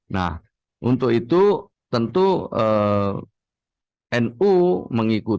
nah untuk itu tentu nu mengikuti mencermati setiap perkembangan ini